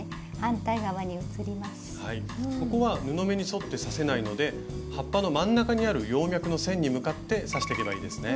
はいここは布目に沿って刺せないので葉っぱの真ん中にある葉脈の線に向かって刺していけばいいですね。